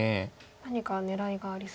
何か狙いがありそうですか。